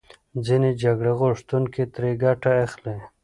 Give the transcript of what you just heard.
ځینې جګړه غوښتونکي ترې ګټه اخلي.